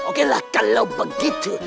okelah kalo begitu